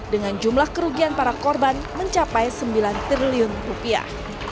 dengan jumlah kerugian para korban mencapai sembilan triliun rupiah